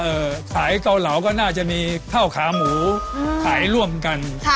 เออขายเก่าเหลาก็น่าจะมีเท่าขาหมูขายร่วมกัน